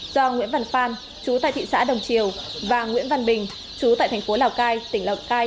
do nguyễn văn phan chú tại thị xã đồng triều và nguyễn văn bình chú tại thành phố lào cai